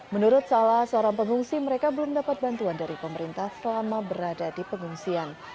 menurut salah seorang pengungsi mereka belum dapat bantuan dari pemerintah selama berada di pengungsian